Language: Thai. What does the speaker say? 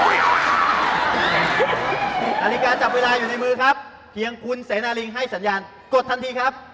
นาฬิกาจับเวลาอยู่ในมือครับเพียงคุณเสนาลิงให้สัญญาณกดทันทีครับ